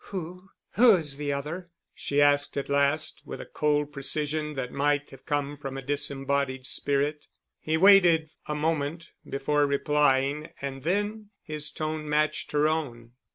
"Who—who is the other?" she asked at last, with a cold precision that might have come from a disembodied spirit. He waited a moment before replying and then his tone matched her own.